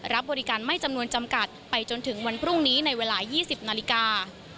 รับบริการไม่จำนวนจำกัดไปจนถึงวันพรุ่งนี้ในเวลา๒๐นาฬิกา